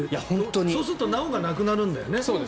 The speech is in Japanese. そうすると「なお」がなくなるんだよね。